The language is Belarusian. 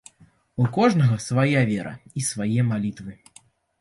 У кожнага свая вера і свае малітвы.